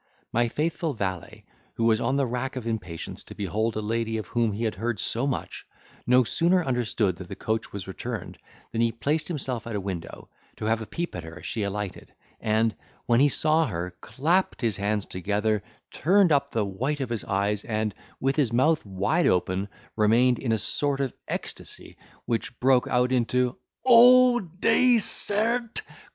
My faithful valet, who was on the rack of impatience to behold a lady of whom he had heard so much, no sooner understood that the coach was returned, than he placed himself at a window, to have a peep at her as she alighted; and, when he saw her, clapped his hands together, turned up the white of his eyes, and, with his mouth wide open, remained in a sort of ecstacy, which broke out into "O Dea certe!